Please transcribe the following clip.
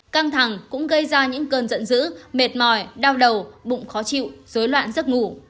căng thẳng cũng gây ra những cơn giận dữ mệt mỏi đau đầu bụng khó chịu dối loạn giấc ngủ